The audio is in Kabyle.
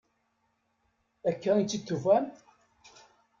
Akka i tt-id-tufam?